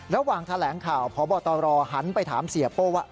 ระหว่างแถลงข่าวพบตรหันไปถามเสียโป้ว่า